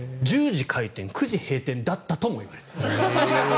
１０時開店、９時閉店だったともいわれている。